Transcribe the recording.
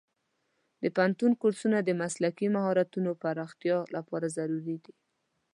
د پوهنتون کورسونه د مسلکي مهارتونو پراختیا لپاره ضروري دي.